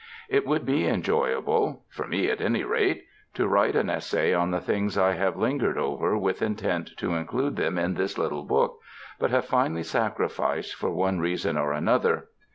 It would be enjoyable (for me, at any rate) to write an essay on the things I have lingered over with intent to include them in this little book, but have finally sacrificed for one reason or another.